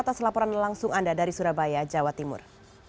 atas laporan langsung anda dari surabaya jawa timur